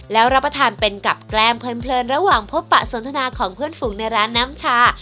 แล้วรับประทานเป็นกับแกล้มเพลินระหว่างพบปะสนทนาของเพื่อนฝูงในร้านน้ำชา